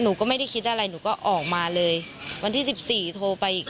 หนูก็ไม่ได้คิดอะไรหนูก็ออกมาเลยวันที่สิบสี่โทรไปอีก